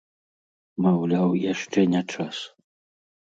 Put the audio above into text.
Маўляў, яшчэ не час.